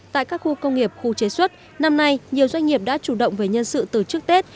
tại các khu công nghiệp khu chế xuất năm nay nhiều doanh nghiệp đã chủ động về nhân sự từ trước tết